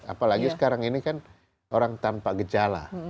apalagi sekarang ini kan orang tanpa gejala